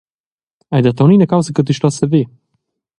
Ei dat aunc ina caussa che ti stos saver.